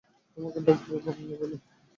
তোমাকে ডাকব বন্য বলে।